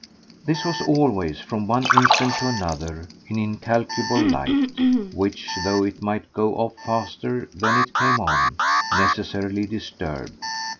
This was always, from one instant to another, an incalculable light, which, though it might go off faster than it came on, necessarily disturbed.